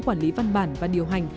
quản lý văn bản và điều hành